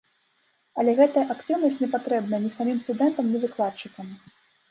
Але гэтая актыўнасць не патрэбная ні самім студэнтам, ні выкладчыкам.